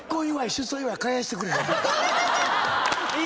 ごめんなさい！